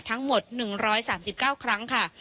ทั้งหมด๑๓๙ครั้งค่ะ